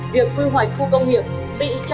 việc quy hoạch khu công nghiệp bị chậm tiến đổ